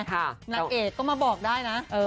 นางเอกก็มาบอกได้นะ